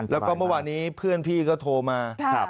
แล้วก็เมื่อวานี้เพื่อนพี่ก็โทรมา